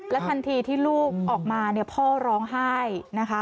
และทันทีที่ลูกออกมาพ่อร้องไห้นะคะ